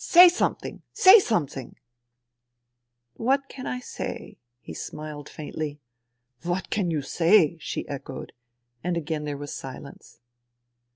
... Say something ! Say something !"" What can I say ?" he smiled faintly. " What can you say !" she echoed ; and again there was silence.